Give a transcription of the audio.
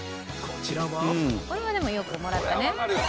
これはでもよくもらったね。